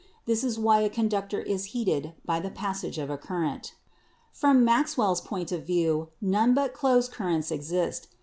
This is why a conductor is heated by the passage of a current. "From Maxwell's point of view, none but closed cur rents exist.